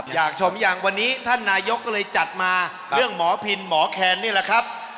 อยากชมยังวันนี้ท่านนายกก็เลยจัดมาเรื่องหมอพินหมอแคนนี่แหละครับ